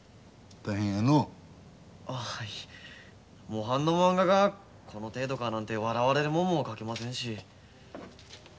模範のまんががこの程度かなんて笑われるもんも描けませんし。